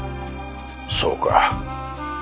そうか。